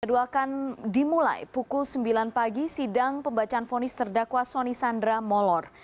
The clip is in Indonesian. kedua akan dimulai pukul sembilan pagi sidang pembacaan fonis terdakwa soni sandra molor